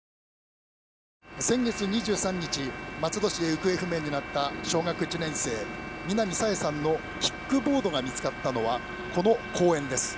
先月２３日松戸市で行方不明になった小学１年生、南朝芽さんのキックボードが見つかったのはこの公園です。